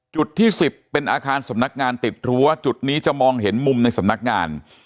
ที่๑๐เป็นอาคารสำนักงานติดรั้วจุดนี้จะมองเห็นมุมในสำนักงาน